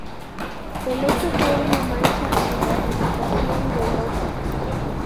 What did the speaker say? El hecho fue una mancha en la reputación de Loki.